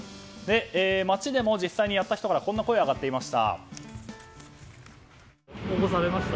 街でも実際にやった人からこんな声が上がっていました。